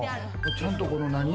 ちゃんと、この、何？